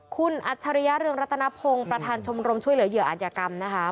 คุณอัจฉริยะเรืองรัตนพงศ์ประธานชมรมช่วยเหลือเหยื่ออัธยกรรมนะคะ